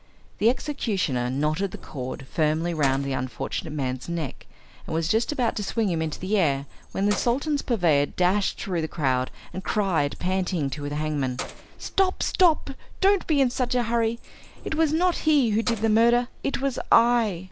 The executioner knotted the cord firmly round the unfortunate man's neck and was just about to swing him into the air, when the Sultan's purveyor dashed through the crowd, and cried, panting, to the hangman, "Stop, stop, don't be in such a hurry. It was not he who did the murder, it was I."